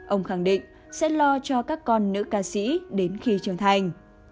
ông khẳng định sẽ lo cho các con nữ ca sĩ đến khi trưởng thành